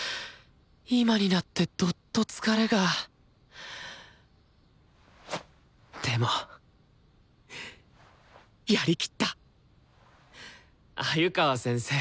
今になってどっと疲れがでもやりきった鮎川先生